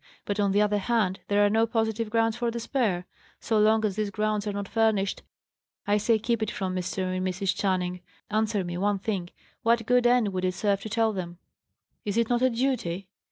"But, on the other hand, there are no positive grounds for despair. So long as these grounds are not furnished, I say keep it from Mr. and Mrs. Channing. Answer me one thing: What good end would it serve to tell them?" "Is it not a duty?"